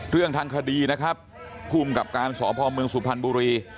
เรื่องทางคดีนะครับภูมิกับการสพเมืองสุพรรณบุรี